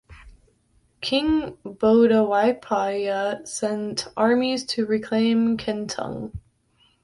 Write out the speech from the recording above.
King Bodawpaya sent armies to reclaim Kengtung.